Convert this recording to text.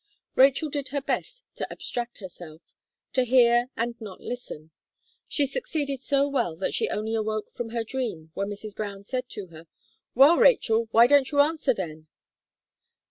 Rachel did her best to abstract herself; to hear, and not listen. She succeeded so well that she only awoke from her dream when Mrs. Brown said to her, "Well, Rachel, why don't you answer, then?"